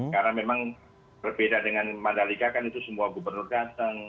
karena memang berbeda dengan mandalika kan itu semua gubernur datang